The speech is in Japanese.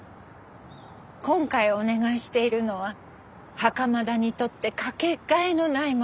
今回お願いしているのは袴田にとって掛け替えのないもの。